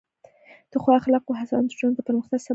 د ښو اخلاقو هڅونه د ټولنې د پرمختګ سبب ده.